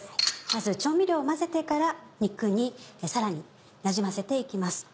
まず調味料を混ぜてから肉にさらになじませて行きます。